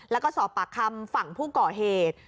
และสอบปรักษรภังผู้ก่อเหตุ